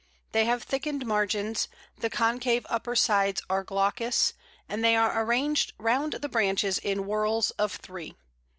They have thickened margins, the concave upper sides are glaucous, and they are arranged round the branches in whorls of three.